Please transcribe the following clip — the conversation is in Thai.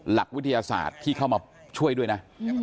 หลักวิทยาศาสตร์ที่เข้ามาช่วยด้วยนะ